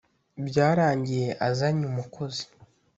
Byarangiye azanye umukozi